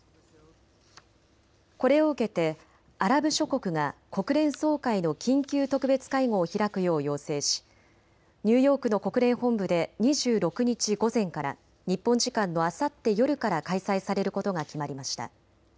これを受けてアラブ諸国が国連総会の緊急特別会合を開くよう要請しニューヨークの国連本部で２６日午前から日本時間のあさって夜から開催されることが決まりました。